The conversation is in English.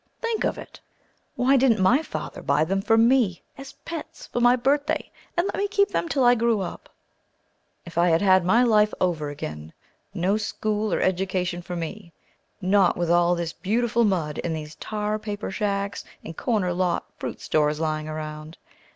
Think of it! Why didn't my father buy them for me, as pets, for my birthday and let me keep them till I grew up? If I had my life over again, no school or education for me! Not with all this beautiful mud and these tar paper shacks and corner lot fruit stores lying round!